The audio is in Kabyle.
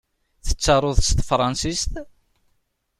Tettaruḍ s tefṛansist?